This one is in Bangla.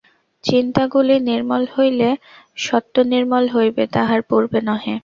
চিন্তাগুলি নির্মল হইলে সত্ত্ব নির্মল হইবে, তাহার পূর্বে নহে।